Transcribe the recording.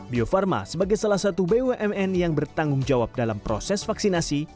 bio farma sebagai salah satu bumn yang bertanggung jawab dalam proses vaksinasi